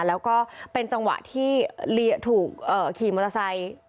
แล้วก็เป็นจังหวะที่ถูกขี่มอเตอร์ไซค์